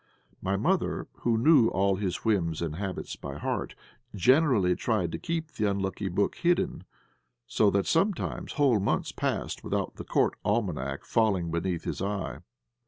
My mother, who knew all his whims and habits by heart, generally tried to keep the unlucky book hidden, so that sometimes whole months passed without the Court Almanack falling beneath his eye.